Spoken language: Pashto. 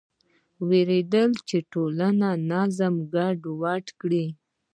وېرېدل چې ټولنې نظم ګډوډ کړي.